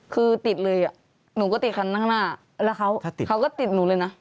คือติดเลยอ่ะหนูก็ติดคันข้างหน้าแล้วเขาก็ติดหนูเลยนะ